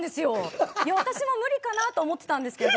私も無理かなと思ってたんですけど。